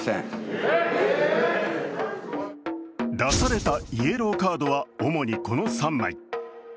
出されたイエローカードは主にこの３枚。